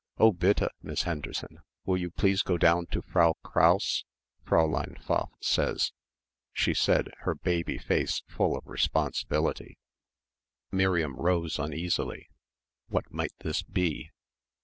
"Oh, bitte, Miss Henderson, will you please go down to Frau Krause, Fräulein Pfaff says," she said, her baby face full of responsibility. Miriam rose uneasily. What might this be?